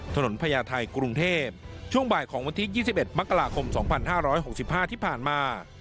ถนนพญาไทยกรุงเทพฯช่วงบ่ายของวันที่ยี่สิบเอ็ดมักลาคมสองพันห้าร้อยหกสิบห้าที่ผ่านมา